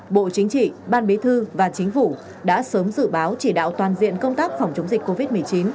bộ chính trị ban bí thư và chính phủ đã sớm dự báo chỉ đạo toàn diện công tác phòng chống dịch covid một mươi chín